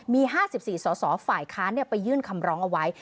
มี๕๔สสฝ่ายค้านไปยื่นคำร้องเอาไว้